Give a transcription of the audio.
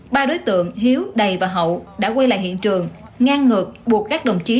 ba đối tượng hiếu đầy và hậu đã quay lại hiện trường ngang ngược buộc các đồng chí